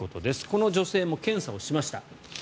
この女性も検査をしました。